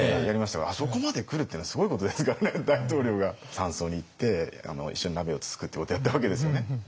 山荘に行って一緒に鍋をつつくっていうことをやったわけですよね。